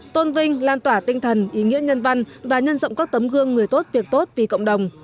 tôn vinh lan tỏa tinh thần ý nghĩa nhân văn và nhân rộng các tấm gương người tốt việc tốt vì cộng đồng